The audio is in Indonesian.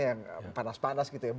rifana pratiwi jakarta